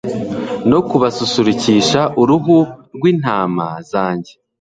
no kubasusurukisha uruhu rw'intama zanjye